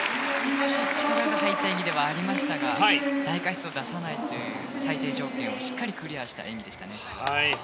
ちょっと力が入った演技ではありましたが大過失を出さないという最低条件をしっかりクリアした演技でしたね。